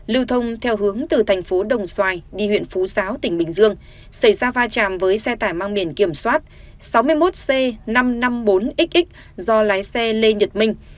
lưu thông theo hướng từ thành phố đồng xoài đi huyện phú giáo tỉnh bình dương xảy ra va chạm với xe tải mang biển kiểm soát sáu mươi một c năm trăm năm mươi bốn xx do lái xe lê nhật minh